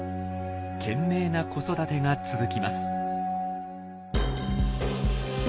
懸命な子育てが続きます。